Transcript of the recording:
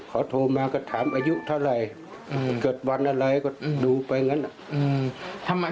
เขาโทรมาก็ถามอายุเท่าไหร่เกิดวันอะไรก็ดูไปงั้น